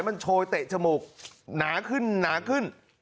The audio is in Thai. มันโชยเตะจมูกหนาขึ้นหนาขึ้น